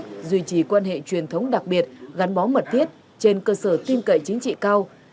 thứ trưởng bộ công an lào